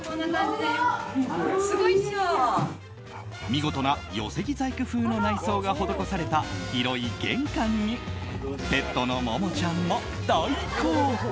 見事な寄木細工風の内装が施された、広い玄関にペットのモモちゃんも大興奮。